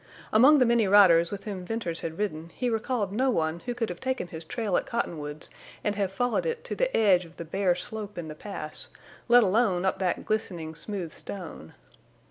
Among the many riders with whom Venters had ridden he recalled no one who could have taken his trail at Cottonwoods and have followed it to the edge of the bare slope in the pass, let alone up that glistening smooth stone.